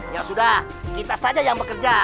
ya sudah kita saja yang bekerja